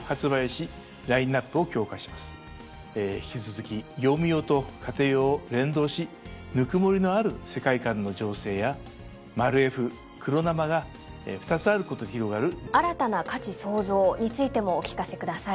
引き続き業務用と家庭用を連動しぬくもりのある世界観の醸成や「マルエフ」「黒生」が２つあることで広がる飲み方や楽しみ方を提案し「新たな価値創造」についてもお聞かせください。